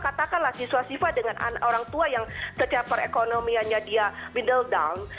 katakanlah siswa siswa dengan orang tua yang ketika perekonomiannya dia middle down